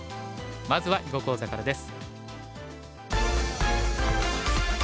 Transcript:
まずは囲碁講座からです。